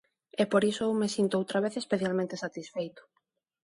E por iso eu me sinto outra vez especialmente satisfeito.